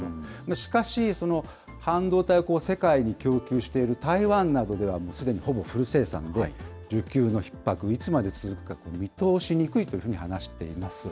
しかし、その半導体を世界に供給している台湾などでは、もうすでにほぼフル生産で、需給のひっ迫、いつまで続くかって見通しにくいと話しています。